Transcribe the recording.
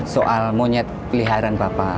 soal monyet peliharaan bapak